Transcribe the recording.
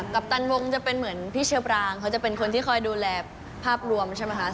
ปตันวงจะเป็นเหมือนพี่เชอปรางเขาจะเป็นคนที่คอยดูแลภาพรวมใช่ไหมคะ